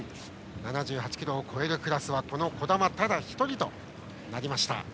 ７８ｋｇを超えるクラスは児玉ただ１人となりました。